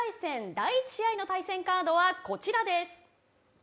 第１試合の対戦カードはこちらです。